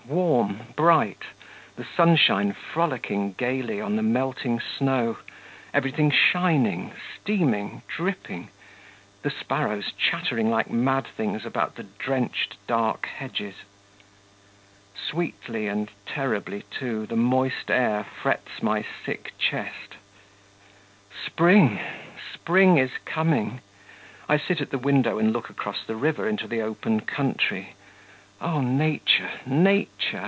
Warm, bright; the sunshine frolicking gaily on the melting snow; everything shining, steaming, dripping; the sparrows chattering like mad things about the drenched, dark hedges. Sweetly and terribly, too, the moist air frets my sick chest. Spring, spring is coming! I sit at the window and look across the river into the open country. O nature! nature!